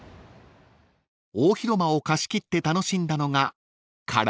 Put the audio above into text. ［大広間を貸し切って楽しんだのがカラオケでした］